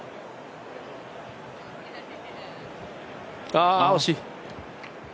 あ、惜しい！